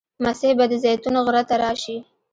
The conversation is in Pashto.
مسیح به د زیتون غره ته راشي.